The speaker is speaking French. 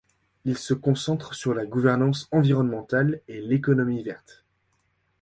Il se concentre sur la gouvernance environnementale et l’économie verte.